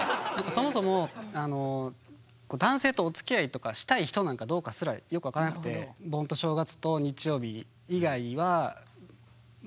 そもそも男性とおつきあいとかしたい人なんかどうかすらよく分からなくて。わストイック。